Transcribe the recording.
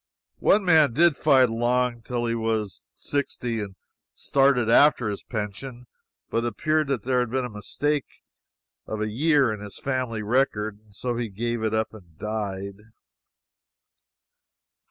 One man did fight along till he was sixty, and started after his pension, but it appeared that there had been a mistake of a year in his family record, and so he gave it up and died.